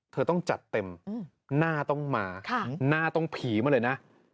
เธอต้องจัดเต็มหน้าต้องมาหน้าต้องผีมาเลยนะ